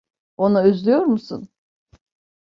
Onu özlüyor musun?